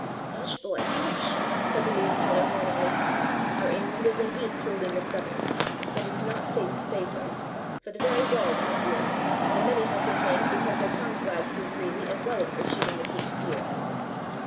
"Hush, boy, hush," said the news teller warningly. "Our England is indeed cruelly misgoverned, but it is not safe to say so, for the very walls have ears and many have been hanged because their tongues wagged too freely, as well as for shooting the king's deer."